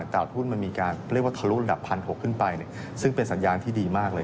ตลาดทุนมันมีการเรียกว่าทะลุระดับ๑๖๐๐ขึ้นไปซึ่งเป็นสัญญาณที่ดีมากเลย